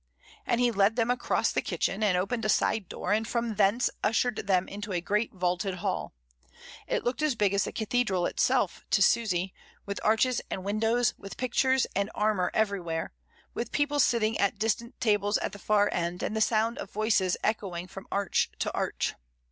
and he led them across the kitchen, and opened a side door, and from thence ushered them into a great vaulted hall. It looked as big as the cathedral itself, to Susy, with arches and windows, with pictures and armour everywhere, with people sitting at distant tables at the farther end, and the sound of voices echoing from arch to arch.